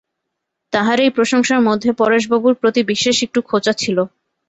তাঁহার এই প্রশংসার মধ্যে পরেশবাবুর প্রতি বিশেষ একটু খোঁচা ছিল।